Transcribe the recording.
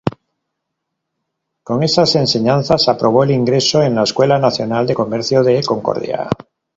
Con esas enseñanzas aprobó el ingreso en la Escuela Nacional de Comercio de Concordia.